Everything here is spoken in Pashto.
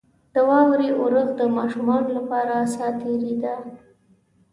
• د واورې اورښت د ماشومانو لپاره ساتیري ده.